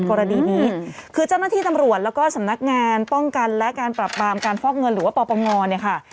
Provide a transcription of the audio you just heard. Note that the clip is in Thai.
กรณีนี้คือเจ้าหน้าที่ตำรวจแล้วก็สำนักงานป้องกันและการปรับปรามการฟอกเงินหรือว่าปปงเนี่ยค่ะ